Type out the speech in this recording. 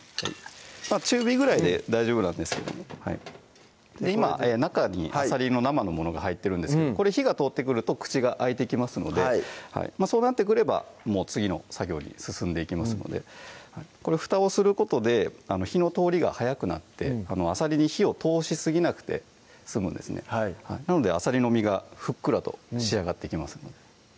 中火ぐらいで大丈夫なんですけども今中にあさりの生のものが入ってるんですけどこれ火が通ってくると口が開いてきますのでそうなってくればもう次の作業に進んでいきますのでこれふたをすることで火の通りが早くなってあさりに火を通しすぎなくて済むんですねなのであさりの身がふっくらと仕上がってきます